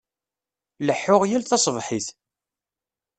Leḥḥuɣ yal taṣebḥit.